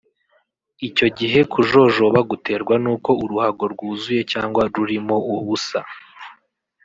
icyo gihe kujojoba guterwa n’uko uruhago rwuzuye cyangwa rurimo ubusa